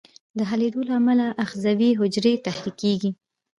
د حلېدو له امله آخذوي حجرې تحریکیږي.